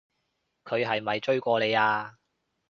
佢係咪追過你啊？